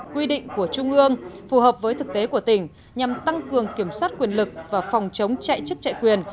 quy định của trung ương phù hợp với thực tế của tỉnh nhằm tăng cường kiểm soát quyền lực và phòng chống chạy chức chạy quyền